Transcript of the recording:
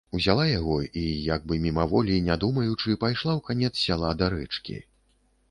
Узяла яго і, як бы мімаволі, не думаючы, пайшла ў канец сяла да рэчкі.